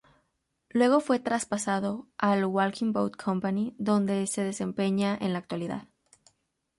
Luego fue traspasado al Walking Bout Company, donde se desempeña en la actualidad.